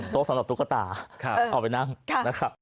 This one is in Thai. โต๊ะสำหรับตุ๊กกระต่าเอาไปนั่ง